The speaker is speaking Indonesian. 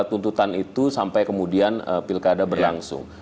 untuk tundalah dulu tuntutan itu sampai kemudian pilkada berlangsung